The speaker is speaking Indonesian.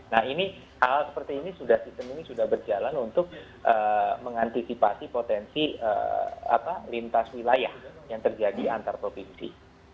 nah ini hal seperti ini sudah sistem ini sudah berjalan untuk mengantisipasi potensi lintas wilayah yang terjadi antar provinsi